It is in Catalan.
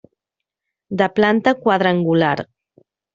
De planta quadrangular.